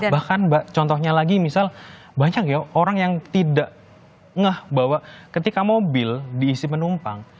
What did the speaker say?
bahkan contohnya lagi misal banyak ya orang yang tidak ngeh bahwa ketika mobil diisi penumpang